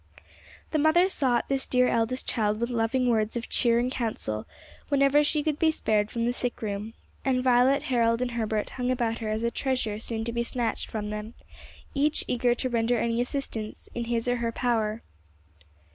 The mother sought this dear eldest child with loving words of cheer and counsel whenever she could be spared from the sick room, and Violet, Harold, and Herbert hung about her as a treasure soon to be snatched from them, each eager to render any assistance in his or her power.